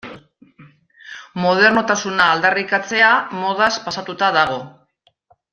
Modernotasuna aldarrikatzea modaz pasatuta dago.